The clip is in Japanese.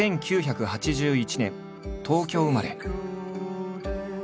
１９８１年東京生まれ。